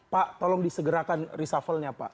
pak tolong disegerakan reshuffle nya pak